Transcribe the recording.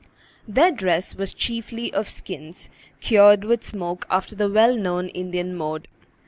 Their dress was chiefly of skins, cured with smoke after the well known Indian mode.